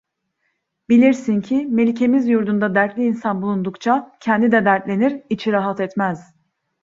Bilirsin ki, melikemiz yurdunda dertli insan bulundukça, kendi de dertlenir, içi rahat etmez.